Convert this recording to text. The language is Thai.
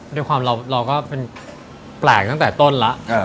เราก็เป็นแปลกตั้งแต่ต้นล่ะ